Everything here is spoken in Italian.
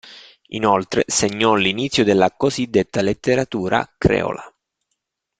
Inoltre segnò l'inizio della cosiddetta letteratura creola..